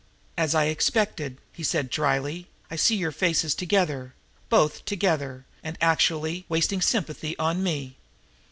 "As I expected," he said dryly, "I see your faces together both together, and actually wasting sympathy on me?